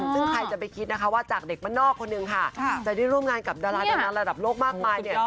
ซึ่งใครจะไปคิดนะคะว่าจากเด็กบ้านนอกคนหนึ่งค่ะจะได้ร่วมงานกับดาราดังระดับโลกมากมายเนี่ย